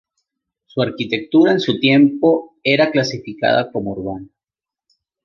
Su arquitectura en su tiempo era clasificada como urbana.